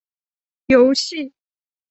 游戏